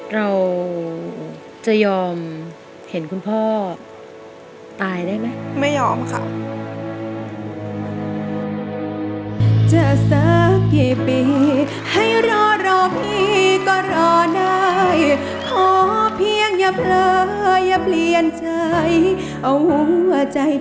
เราจะยอมเห็นคุณพ่อตายได้ไหม